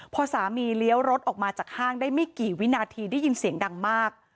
พอสามีเลี้ยวรถออกมาจากห้างได้ไม่กี่วินาทีได้ยินเสียงดังมาก